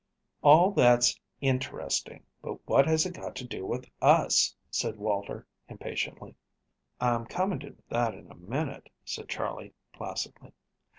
"All that's interesting, but what has it got to do with us?" said Waiter impatiently. "I'm coming to that in a minute," said Charley placidly.